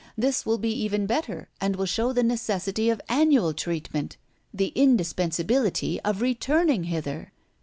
This will be even better, and will show the necessity of annual treatment, the indispensability of returning hither.